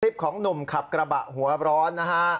ของหนุ่มขับกระบะหัวร้อนนะฮะ